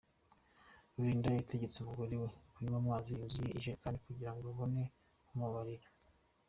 Rulinda yategetse umugore we kunywa amazi yuzuye ijerekani kugira ngo abone kumubabarira.